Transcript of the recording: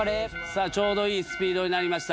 ちょうどいいスピードになりました